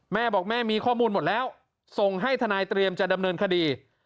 แม่บอกแม่มีข้อมูลหมดแล้วส่งให้ทนายเตรียมจะดำเนินคดี